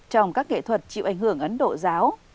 trong các nghệ thuật chịu ảnh hưởng ấn độ giáo